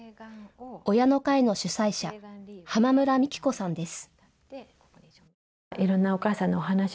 親の会の主催者、濱村美紀子さんです。